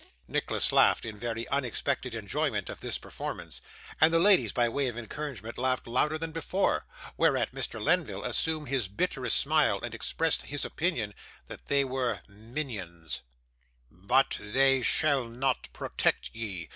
Nicholas laughed in very unexpected enjoyment of this performance; and the ladies, by way of encouragement, laughed louder than before; whereat Mr. Lenville assumed his bitterest smile, and expressed his opinion that they were 'minions'. 'But they shall not protect ye!